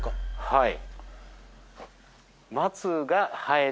はい。